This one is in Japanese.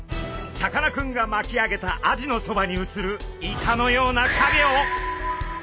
さかなクンが巻き上げたアジのそばに映るイカのようなかげを。